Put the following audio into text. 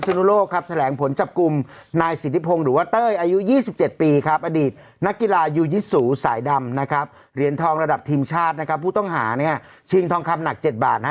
แต่มันคือพอเรากินได้ประมาณ๑๙๐บาทหรือร้อย